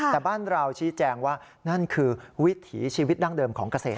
แต่บ้านเราชี้แจงว่านั่นคือวิถีชีวิตดั้งเดิมของเกษตร